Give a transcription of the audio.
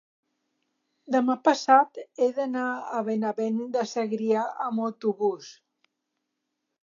demà passat he d'anar a Benavent de Segrià amb autobús.